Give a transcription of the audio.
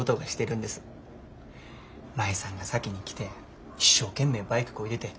舞さんが先に来て一生懸命バイクこいでて。